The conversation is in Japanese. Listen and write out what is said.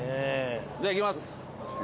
じゃいきます。